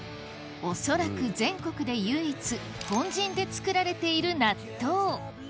恐らく全国で唯一本陣で作られている納豆